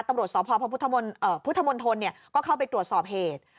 ตำรวจสอบพอพระพุทธมนต์พุทธมนต์ทนก็เข้าไปตรวจสอบเหตุ